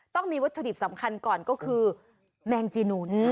ต้องมีวัตถุดิบสำคัญก่อนก็คือแมงจีนูน